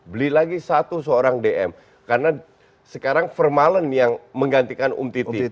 beli lagi satu seorang dm karena sekarang formallen yang menggantikan umtiti